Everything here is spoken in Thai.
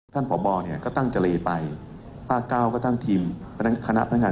ท่านผบเนี่ยก็ตั้งจะเลไปป้าเก้าก็ตั้งทีมคณะพนักงาน